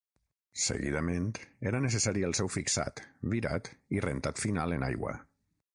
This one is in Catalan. Seguidament era necessari el seu fixat, virat i rentat final en aigua.